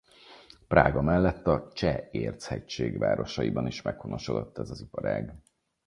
Prága mellett a Cseh-Érchegység városaiban is meghonosodott ez az iparág.